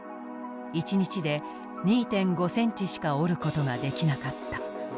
１日で２．５ｃｍしか織ることができなかった。